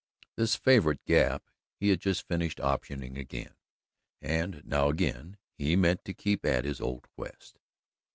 This favourite gap he had just finished optioning again, and now again he meant to keep at his old quest.